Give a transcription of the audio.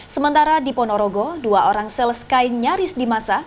sementara di ponorogo dua orang seleskai nyaris dimasa